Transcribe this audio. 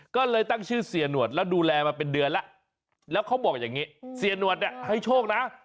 ก็เลยตั้งชื่อเสียหนวดแล้วดูแลมาเป็นเดือนแล้วแล้วเขาบอกอย่างนี้เสียหนวดเนี่ยให้โชคนะ